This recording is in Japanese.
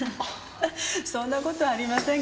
そんな事はありませんけど。